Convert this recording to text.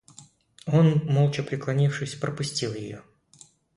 Он, молча поклонившись, пропустил ее.